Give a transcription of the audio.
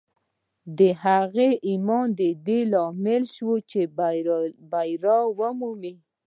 د هغه ایمان د دې لامل شو چې بریا ومومي